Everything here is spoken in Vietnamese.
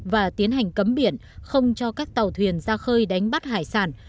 và tiến hành cấm biển không cho các tàu thuyền ra khơi đánh bắt hải sản